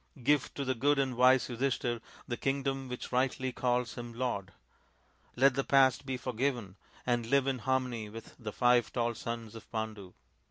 Give to the good and wise Yudhishthir the kingdom which rightly calls him lord. Let the past be forgiven and live in harmony with the five tall sons of Pandu."